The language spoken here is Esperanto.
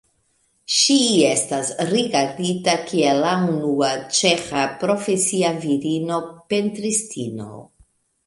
Ŝi estas rigardita kiel la unua ĉeĥa profesia virino pentristino.